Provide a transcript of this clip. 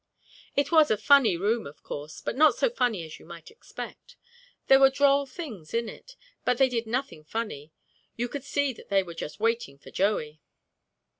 It was a funny room, of course, but not so funny as you might expect; there were droll things in it, but they did nothing funny, you could see that they were just waiting for Joey.